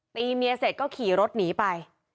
ตีเมียเสร็จก็ขี่รถหนีไป